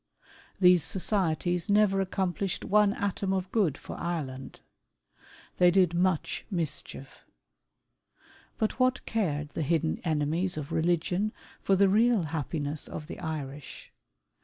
These societies never accomplished one atom of good for Ireland. They did much mischief. But what cared the hidden enemies of religion for the real happiness of the Irish